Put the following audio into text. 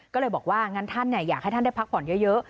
ก็เลยบอกว่างั้นท่านอยากให้ท่านได้พักผ่อนเยอะ